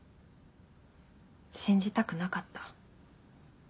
信じたくなかった。